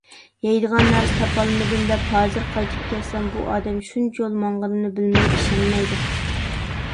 يەيدىغان نەرسە تاپالمىدىم، دەپ ھازىر قايتىپ كەتسەم، بۇ ئادەم شۇنچە يول ماڭغىنىمنى بىلمەي ئىشەنمەيدۇ.